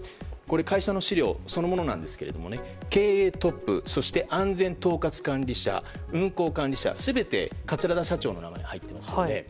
会社の資料そのものですが経営トップそして安全統括管理者運航管理者全て、桂田社長の名前が入っていますので。